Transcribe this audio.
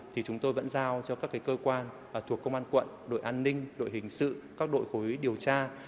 thì chúng tôi vẫn giao cho các cơ quan thuộc công an quận đội an ninh đội hình sự các đội khối điều tra